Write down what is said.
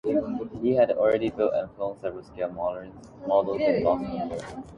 He had already built and flown several scale models in Boston and New York.